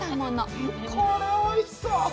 これおいしそう！